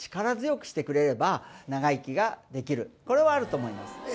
力強くしてくれれば長生きができるこれはあると思います